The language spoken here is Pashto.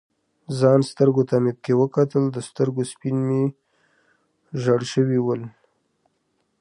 ځان سترګو ته مې پکې وکتل، د سترګو سپین مې ژړ شوي ول.